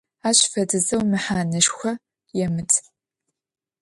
Ащ фэдизэу мэхьанэшхо емыт.